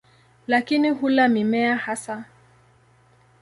Lakini hula mimea hasa.